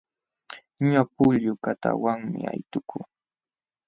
Ñuqa pullu kataawanmi aytukuu.